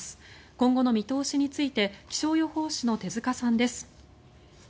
今後の見通しについて気象予報士の手塚さんです。